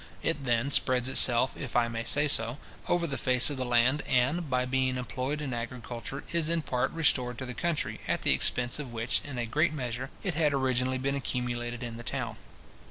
It then spreads itself, if I my say so, over the face of the land, and, by being employed in agriculture, is in part restored to the country, at the expense of which, in a great measure, it had originally been accumulated in the town.